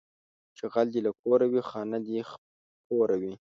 چې غل دې له کوره وي، خانه دې خپوره وي